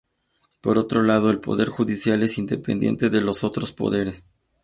Por otro lado, el poder judicial es independiente de los otros poderes.